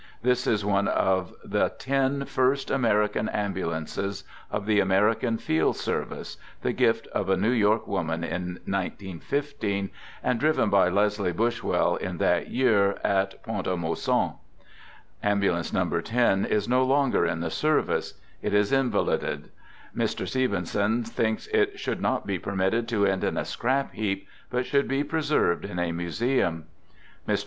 This is one of the ten no Digitized by " THE GOOD SOLDIER " 1 1 1 first American ambulances of the American Field Service, the gift of a New York woman in 191 5, and driven by Leslie Buswell in that year at Pont a Mousson. Ambulance No. 10 is no longer in the service. It is invalided. Mr. Stevenson thinks it should not be permitted to end on a scrap heap, but should be preserved in a museum. Mr.